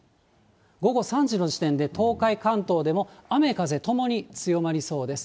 午後３時の時点で東海、関東でも雨、風ともに強まりそうです。